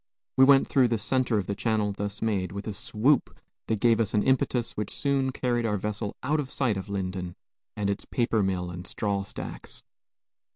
We went through the centre of the channel thus made, with a swoop that gave us an impetus which soon carried our vessel out of sight of Lyndon and its paper mill and straw stacks.